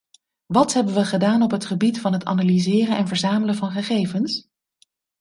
Wat hebben we gedaan op het gebied van het analyseren en verzamelen van gegevens?